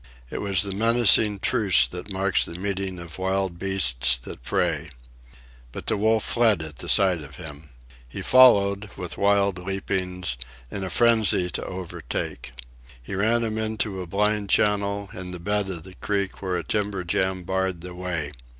It was the menacing truce that marks the meeting of wild beasts that prey. But the wolf fled at sight of him. He followed, with wild leapings, in a frenzy to overtake. He ran him into a blind channel, in the bed of the creek where a timber jam barred the way.